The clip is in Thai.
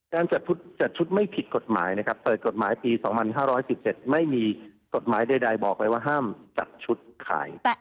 จัดชุดไม่ผิดกฎหมายนะครับเปิดกฎหมายปี๒๕๑๗ไม่มีกฎหมายใดบอกเลยว่าห้ามจัดชุดขาย